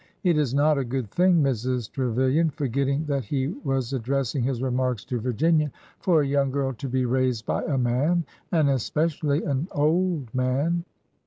It is not a good thing, Mrs. Trevilian," — forgetting that he was ad dressing his remarks to Virginia,—'' for a young girl to be raised by a man, and especially an old man.''